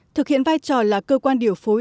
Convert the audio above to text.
thực hiện vai trò là cơ quan điều phối